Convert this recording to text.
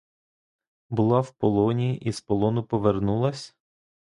Була в полоні і з полону повернулась?